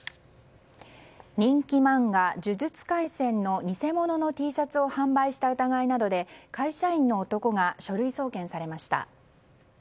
人気漫画「呪術廻戦」の偽物のＴシャツを販売した疑いなどで会社員の男が書類送検されました。